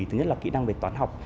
thứ nhất là kỹ năng về toán học